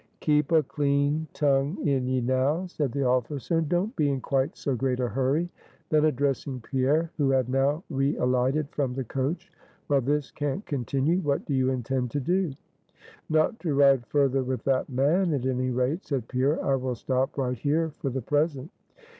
"Keep a clean tongue in ye now" said the officer "and don't be in quite so great a hurry," then addressing Pierre, who had now re alighted from the coach "Well, this can't continue; what do you intend to do?" "Not to ride further with that man, at any rate," said Pierre; "I will stop right here for the present."